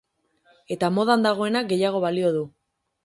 Eta modan dagoenak gehiago balio du.